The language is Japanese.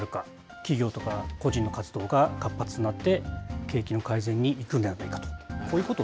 企業とか個人の活動が活発になって、景気の改善にいくんではないかと、こういうことを。